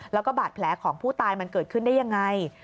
แล้วก็บาดแผลของผู้ตายมันเกิดขึ้นได้ยังไง